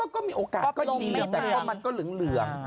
ก็มีโอกาสก็ดีแต่ก็มันก็เหลือง